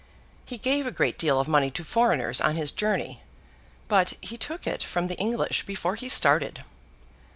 He gave a great deal of money to foreigners on his journey; but he took it from the English before he started.